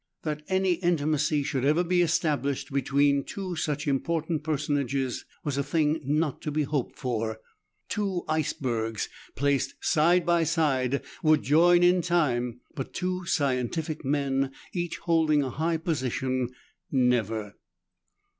That any intimacy should ever be established be tween two such important personages was a thing not to be hoped for ; two icebergs, placed side by side would join in time, but two scientific men, each holding a high position, never.